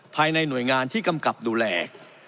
ภายในหน่วยงานที่กำกับดูแล